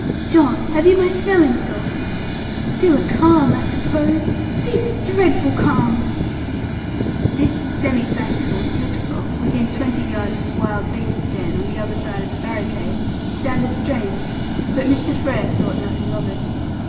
John, have you my smelling salts? Still a calm, I suppose? These dreadful calms!" This semi fashionable slip slop, within twenty yards of the wild beasts' den, on the other side of the barricade, sounded strange; but Mr. Frere thought nothing of it.